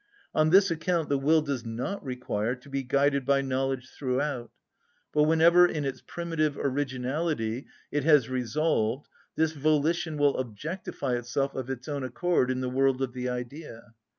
On this account the will does not require to be guided by knowledge throughout; but whenever in its primitive originality it has resolved, this volition will objectify itself of its own accord in the world of the idea.